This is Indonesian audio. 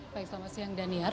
baik selamat siang daniar